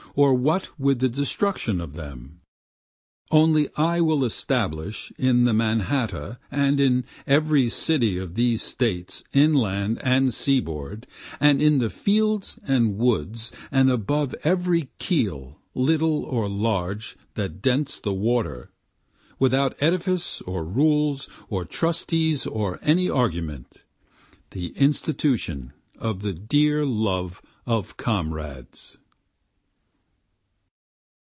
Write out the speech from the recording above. or what with the destruction of them?) Only I will establish in the Mannahatta and in every city of these States inland and seaboard, And in the fields and woods, and above every keel little or large that dents the water, Without edifices or rules or trustees or any argument, The institution of the dear love of comrades.